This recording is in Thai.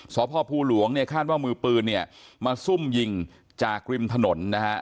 สพภูหลวงเนี่ยคาดว่ามือปืนเนี่ยมาซุ่มยิงจากริมถนนนะฮะ